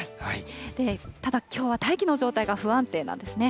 ただ、きょうは大気の状態が不安定なんですね。